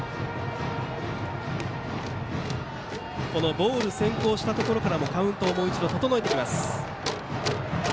ボール先行したところからもカウントをもう一度整えてきます